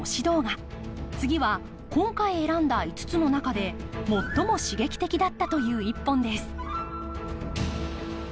次は今回選んだ５つの中で最も刺激的だったという１本です。